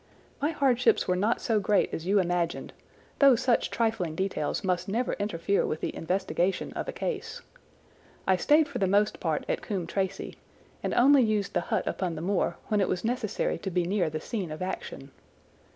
My hardships were not so great as you imagined, though such trifling details must never interfere with the investigation of a case. I stayed for the most part at Coombe Tracey, and only used the hut upon the moor when it was necessary to be near the scene of action.